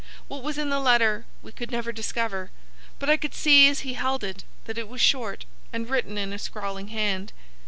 What was in the letter we could never discover, but I could see as he held it that it was short and written in a scrawling hand.